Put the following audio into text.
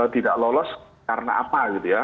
tidak lolos karena apa gitu ya